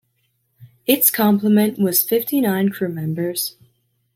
Its complement was fifty-nine crew members.